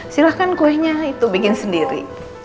silahkan kuenya itu bikin sendiri